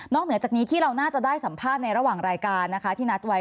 เหนือจากนี้ที่เราน่าจะได้สัมภาษณ์ในระหว่างรายการนะคะที่นัดไว้